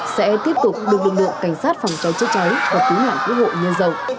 sẽ tiếp tục được lực lượng cảnh sát phòng chống chữa cháy và cứu nạn cứu hộ nhân dân